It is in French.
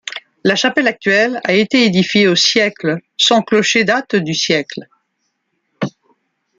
La chapelle actuelle a été édifiée au siècle, son clocher date du siècle.